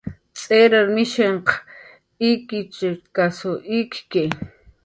Tz'irar mishinhq ikichkasw ikki